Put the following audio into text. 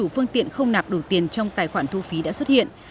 phương tiện không nạp đủ tiền trong tài khoản thu phí đã xuất hiện